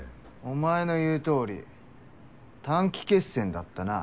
お前の言うとおり短期決戦だったな。